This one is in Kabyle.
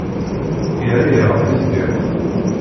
Yerra-yaɣ di ddiq.